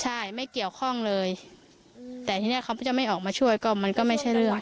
ใช่ไม่เกี่ยวข้องเลยแต่ทีนี้เขาจะไม่ออกมาช่วยก็มันก็ไม่ใช่เรื่อง